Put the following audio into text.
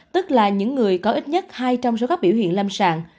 tức là những người có ít nhất hai trăm linh số các biểu hiện lâm sàng